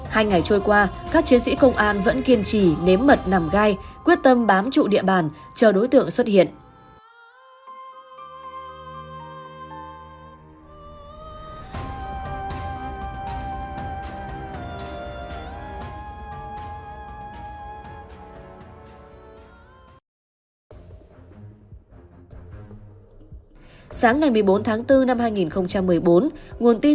hai ngày trôi qua các chiến sĩ công an vẫn kiên trì nếm mật nằm gai quyết tâm bám trụ địa bàn chờ đối tượng xuất hiện